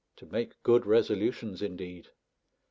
To make good resolutions, indeed!